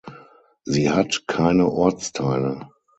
Sie hat keine Ortsteile.